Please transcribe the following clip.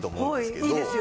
はいいいですよ。